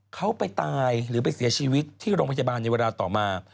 เขาไปตายหรือไปเสียชีวิตที่โรงพยาบาลในเวลาต่อมา